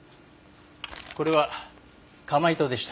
これは釜糸でした。